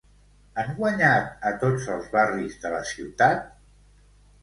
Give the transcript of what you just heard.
Han guanyat a tots els barris de la ciutat?